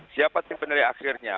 siapa tim penilai aksirnya